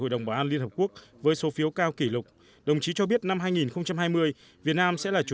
hợp với liên hợp quốc với số phiếu cao kỷ lục đồng chí cho biết năm hai nghìn hai mươi việt nam sẽ là chủ